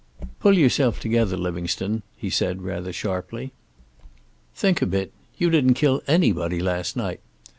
"Pull yourself together, Livingstone," he said, rather sharply. "Think a bit. You didn't kill anybody last night.